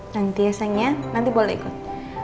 nanti ya sayang ya nanti boleh ikut